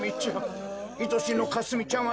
かすみちゃん？